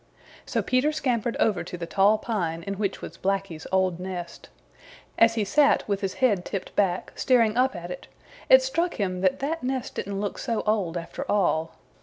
So Peter scampered over to the tall pine in which was Blacky's old nest. As he sat with his head tipped back, staring up at it, it struck him that that nest didn't look so old, after all.